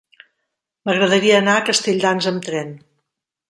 M'agradaria anar a Castelldans amb tren.